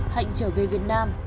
hạnh trở về việt nam